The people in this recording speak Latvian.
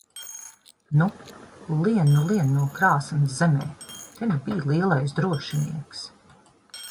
Nu, lien nu lien no krāsns zemē! Te nu bij lielais drošinieks!